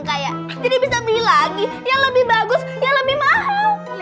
kayak jadi bisa beli lagi yang lebih bagus yang lebih mahal